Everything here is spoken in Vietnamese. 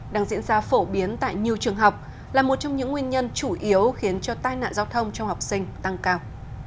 đang diễn ra phổ biến tại nhiều trường học là một trong những nguyên nhân chủ yếu khiến cho tai nạn giao thông trong học sinh tăng cao